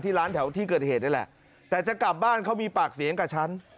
ร้านแถวที่เกิดเหตุนี่แหละแต่จะกลับบ้านเขามีปากเสียงกับฉัน